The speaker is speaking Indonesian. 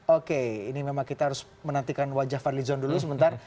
oke ini memang kita harus menantikan wajah fadli zon dulu sebentar